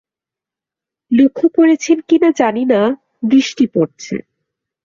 লক্ষ করেছেন কিনা জানি না, বৃষ্টি পড়ছে।